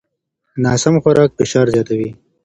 ناسم خوراک فشار زیاتوي.